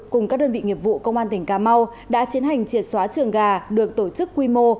cùng các đơn vị nghiệp vụ công an tỉnh cà mau đã tiến hành triệt xóa trường gà được tổ chức quy mô